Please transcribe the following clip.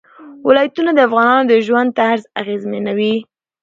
ولایتونه د افغانانو د ژوند طرز اغېزمنوي.